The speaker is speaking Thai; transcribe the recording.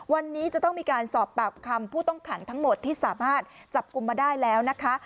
วันนี้จะต้องมีการสอบปากคำผู้ต้องขังทั้งหมดที่สามารถจับกลุ่มมาได้แล้วนะคะ